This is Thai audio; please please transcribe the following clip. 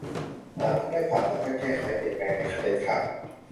อาจต้องได้ผ่าตัดเพื่อแก้ไขเปลี่ยนแปลงในขั้นเด็ดขาด